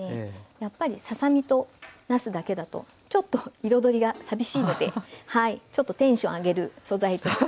やっぱりささ身となすだけだとちょっと彩りが寂しいのでちょっとテンション上げる素材として。